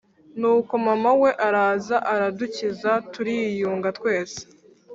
Nuko mamawe araza aradukiza turiyunga twese